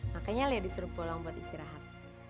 makanya lea disuruh pulang buat istirahat